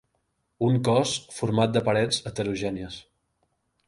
Un cos format de parets heterogènies.